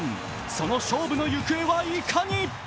その勝負の行方はいかに。